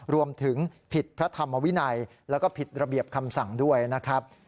รวมถึงผิดพระธรรมวินัยแล้วก็ผิดระเบียบคำสั่งด้วยนะครับ